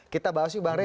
kita bahasnya barangnya